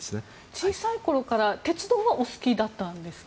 小さいころから鉄道はお好きだったんですか？